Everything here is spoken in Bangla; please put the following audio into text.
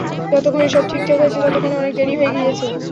যতক্ষণে সব ঠিকঠাক হয়েছে ততক্ষণে অনেক দেরি হয়ে গিয়েছে।